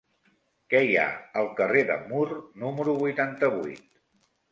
Què hi ha al carrer de Mur número vuitanta-vuit?